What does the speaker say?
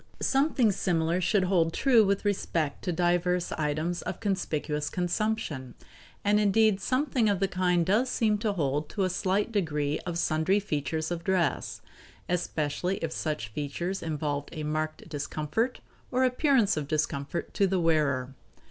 Something similar should hold true with respect to divers items of conspicuous consumption, and indeed something of the kind does seem to hold to a slight degree of sundry features of dress, especially if such features involve a marked discomfort or appearance of discomfort to the wearer.